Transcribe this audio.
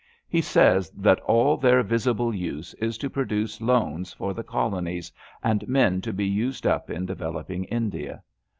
He says that all their visible use is to produce loans for the colonies and men to be used up in develop ing India.